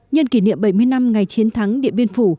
nhân kỷ niệm bảy mươi năm ngày chiến thắng điện biên phủ